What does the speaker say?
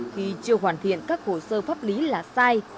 khi chưa hoàn thiện các hồ sơ pháp lý là sai